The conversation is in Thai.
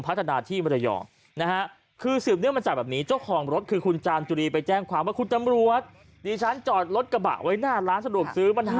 พี่ยืนยันได้มั้ยว่าพี่ทำครั้งนี้เป็นครั้งแรกครับ